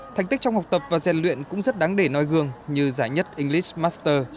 thành tích trong học tập và gian luyện cũng rất đáng để nói gương như giải nhất english master